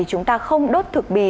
chúng ta không đốt thực bì